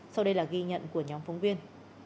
sau đây là ghi nhận của nhóm phóng viên